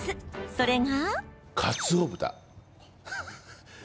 それが。